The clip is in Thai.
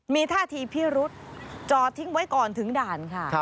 มีท่าทีพิรุษจอดทิ้งไว้ก่อนถึงด่านค่ะ